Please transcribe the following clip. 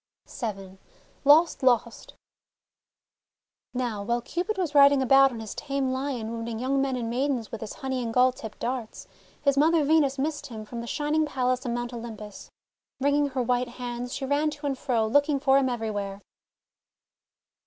vn LOST! LOST! Now while Cupid was riding about on his tame Lion wounding young men and maidens with his honey and gall tipped darts, his mother Venus missed him from the Shining Palace on Mount Olympus. Wringing her white hands she ran to and fro, looking for him everywhere.